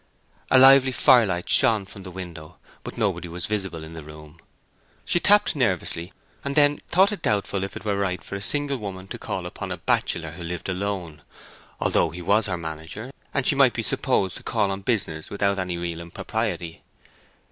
A lively firelight shone from the window, but nobody was visible in the room. She tapped nervously, and then thought it doubtful if it were right for a single woman to call upon a bachelor who lived alone, although he was her manager, and she might be supposed to call on business without any real impropriety.